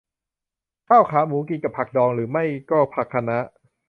ข้าวขาหมูกินกับผักดองหรือไม่ก็ผักคะน้า